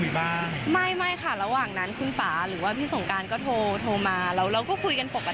แต่ว่าแมทรู้สึกว่าแมทว่าแมทเลือกแล้วว่ามันเป็นความสุขของแมทค่ะ